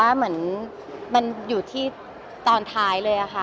อันนั้นคือเหมือนอยู่ที่ตอนท้ายเลยค่ะ